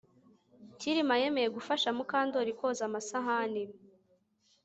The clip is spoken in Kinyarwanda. Kirima yemeye gufasha Mukandoli koza amasahani